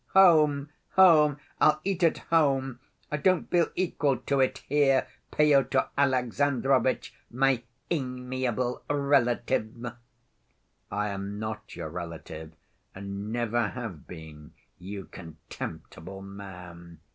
Home, home, I'll eat at home, I don't feel equal to it here, Pyotr Alexandrovitch, my amiable relative." "I am not your relative and never have been, you contemptible man!"